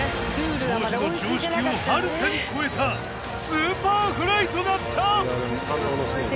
当時の常識を遥かに超えたスーパーフライトだった！